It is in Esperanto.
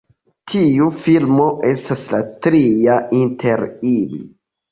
Tiu filmo estas la tria inter ili.